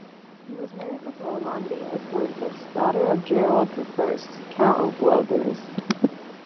He was married with Yolande of Guelders, daughter of Gerard I, Count of Guelders.